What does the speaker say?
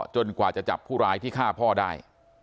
กว่าจะจับผู้ร้ายที่ฆ่าพ่อได้